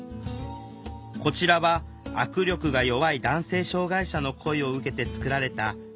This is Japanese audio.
こちらは握力が弱い男性障害者の声を受けて作られた補助器具。